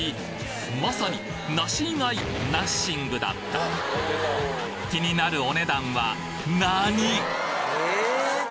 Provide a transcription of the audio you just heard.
まさに梨以外ナッシングだった気になるお値段は何！？